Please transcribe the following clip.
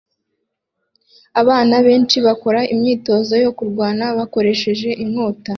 Abana benshi bakora imyitozo yo kurwana bakoresheje inkota